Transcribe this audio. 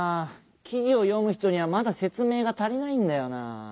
きじをよむ人にはまだせつめいが足りないんだよなぁ。